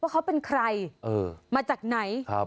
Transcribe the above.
เขาเป็นใครมาจากไหน